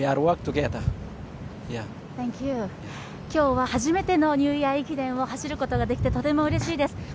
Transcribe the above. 今日は初めてのニューイヤー駅伝を走ることができて、とてもうれしいです。